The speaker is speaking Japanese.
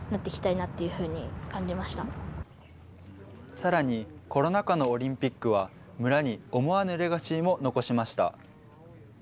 さらに、コロナ禍のオリンピックは、村に思わぬレガシーも残しました。